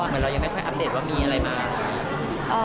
เหมือนเรายังไม่ค่อยอัปเดตว่ามีอะไรมาก